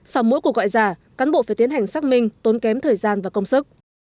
sau mỗi cuộc gọi giả cán bộ phải tiến hành xác minh tốn kém thời gian và công sức